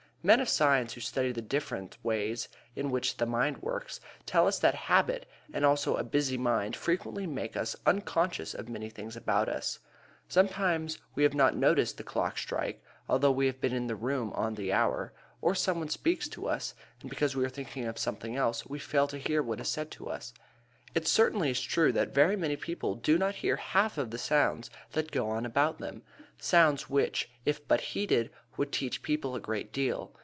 Men of science, who study the different ways in which the mind works, tell us that habit and also a busy mind frequently make us unconscious of many things about us. Sometimes we have not noticed the clock strike, although we have been in the room on the hour; or some one speaks to us, and because we are thinking of something else we fail to hear what is said to us. It certainly is true that very many people do not hear half of the sounds that go on about them, sounds which, if but heeded, would teach people a great deal.